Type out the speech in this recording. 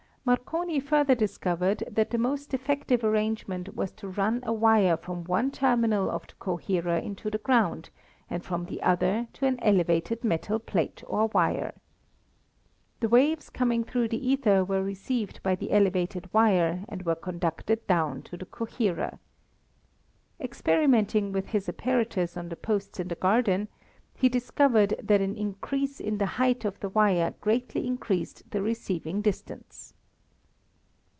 Marconi further discovered that the most effective arrangement was to run a wire from one terminal of the coherer into the ground, and from the other to an elevated metal plate or wire. The waves coming through the ether were received by the elevated wire and were conducted down to the coherer. Experimenting with his apparatus on the posts in the garden, he discovered that an increase in the height of the wire greatly increased the receiving distance.